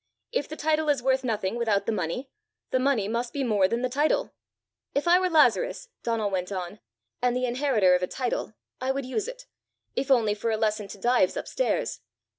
If the title is worth nothing without the money, the money must be more than the title! If I were Lazarus," Donal went on, "and the inheritor of a title, I would use it, if only for a lesson to Dives up stairs.